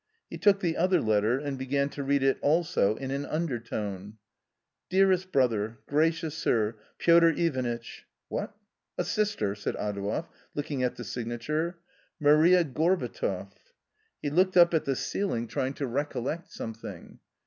He took the other letter and began to read it also in an undertone. " Dearest Brother, Gracious Sir, Piotr Ivanitch." .," What — a sister !" said Adouev, looking at the signature :*" Maria Gorbatov." He looked up at the ceiling, trying to A COMMON STORY 29 recollect something.